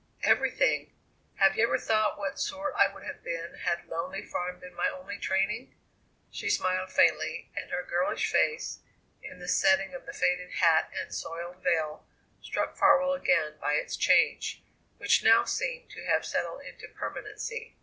"Everything. Have you ever thought what sort I would have been had Lonely Farm been my only training?" she smiled faintly, and her girlish face, in the setting of the faded hat and soiled veil, struck Farwell again by its change, which now seemed to have settled into permanency.